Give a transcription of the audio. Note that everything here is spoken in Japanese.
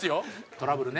トラブルね。